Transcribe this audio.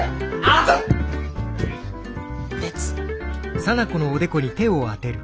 熱。